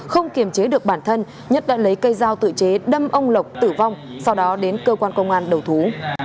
không kiềm chế được bản thân nhất đã lấy cây dao tự chế đâm ông lộc tử vong sau đó đến cơ quan công an đầu thú